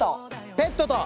ペットと。